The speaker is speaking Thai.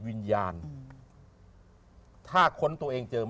เพราะเขาไม่เจอรัก